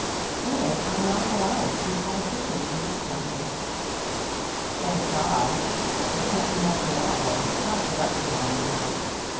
"Women are not allowed to be politicians in this country." "Thank God, they can't do much in that way; not directly, I mean.